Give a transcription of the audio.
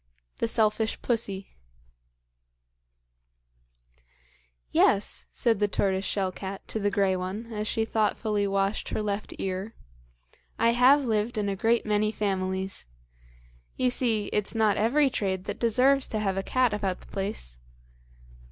The Selfish Pussy "YES," said the tortoiseshell cat to the grey one, as she thoughtfully washed her left ear, "I have lived in a great many families. You see, it's not every trade that deserves to have a cat about the place.